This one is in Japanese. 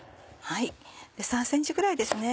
３ｃｍぐらいです。